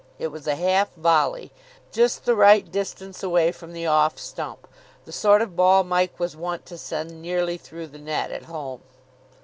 It was a half volley, just the right distance away from the off stump; the sort of ball Mike was wont to send nearly through the net at home....